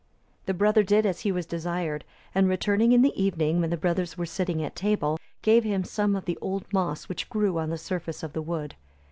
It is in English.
The brother did as he was desired; and returning in the evening, when the brothers were sitting at table, gave him some of the old moss which grew on the surface of the wood.